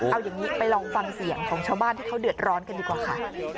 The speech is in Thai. เอาอย่างนี้ไปลองฟังเสียงของชาวบ้านที่เขาเดือดร้อนกันดีกว่าค่ะ